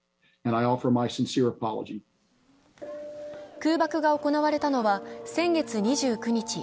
空爆が行われたのは先月２９日。